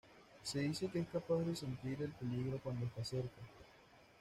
Se dice que es capaz de sentir el peligro cuando está cerca.